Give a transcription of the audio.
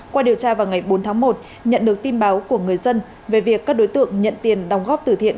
qua điều tra vào ngày bốn tháng một nhận được tin báo của người dân về việc các đối tượng nhận tiền đồng góp tử thiện